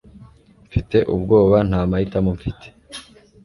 Mfite ubwoba ko nta mahitamo mfite